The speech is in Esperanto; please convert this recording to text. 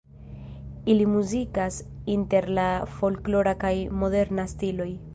Ili muzikas inter la folklora kaj moderna stiloj.